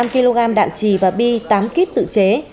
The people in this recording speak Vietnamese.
năm kg đạn trì và bi tám kíp tự chế